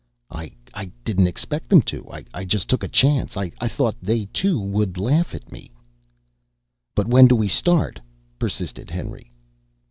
"I didn't expect them to. I just took a chance. I thought they, too, would laugh at me." "But when do we start?" persisted Henry.